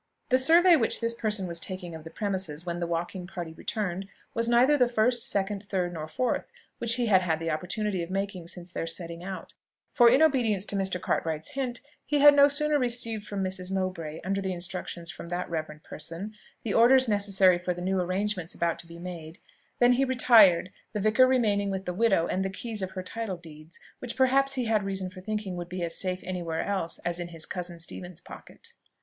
The survey which this person was taking of the premises when the walking party returned was neither the first, second, third, nor fourth which he had had the opportunity of making since their setting out; for, in obedience to Mr. Cartwright's hint, he had no sooner received from Mrs. Mowbray, under the instructions from that reverend person, the orders necessary for the new arrangements about to be made, than he retired, the vicar remaining with the widow and the keys of her title deeds, which perhaps he had reason for thinking would be as safe anywhere else as in his cousin Stephen's pocket.